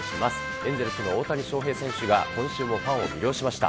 エンゼルスの大谷翔平選手が今週もファンを魅了しました。